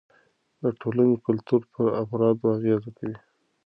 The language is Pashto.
د ټولنې کلتور پر افرادو اغېز کوي.